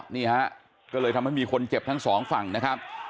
นี่ฮะก็เลยทำให้มีคนเจ็บทั้งสองฝั่งนะครับ